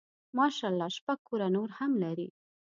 ماشاء الله شپږ کوره نور هم لري.